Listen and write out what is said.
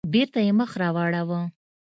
بېرته يې مخ راواړاوه.